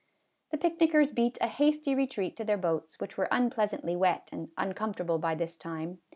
The picnickers beat a hasty retreat to their boats, which were unpleasantly wet and uncomfortable by this time.